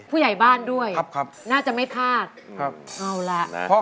ผู้ใหญ่บ้านด้วยน่าจะไม่พลากเค้าล่ะ